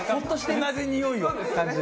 同じにおいを感じる。